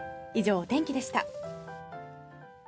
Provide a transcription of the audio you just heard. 以上、お天気でした。